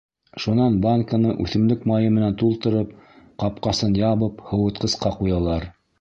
Шунан банканы үҫемлек майы менән тултырып, ҡапҡасын ябып, һыуытҡысҡа ҡуялар.